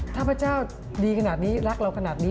ถ้าพระเจ้าดีขนาดนี้รักเราขนาดนี้